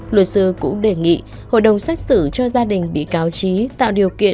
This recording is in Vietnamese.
luật sư cũng đề nghị hội đồng xét xử cho gia đình bị cao trí